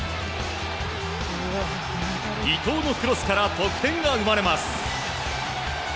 伊東のクロスから得点が生まれます。